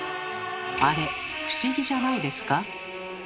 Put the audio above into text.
あれ不思議じゃないですか？